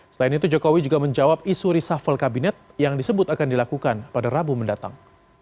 selain itu jokowi juga menjawab isu reshuffle kabinet yang disebut akan dilakukan pada rabu mendatang